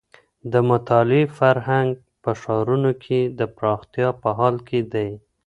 د مطالعې فرهنګ په ښارونو کي د پراختيا په حال کي دی.